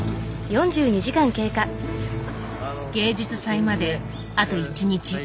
芸術祭まであと１日。